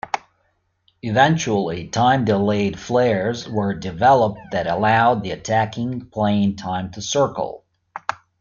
Eventually time delayed flares were developed that allowed the attacking plane time to circle.